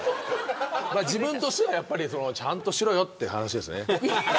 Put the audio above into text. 自分としてはちゃんとしろよって話ですね。